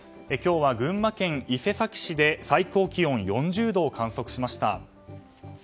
今日は群馬県伊勢崎市で最高気温４０度を観測しました。